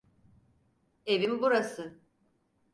Evim burası.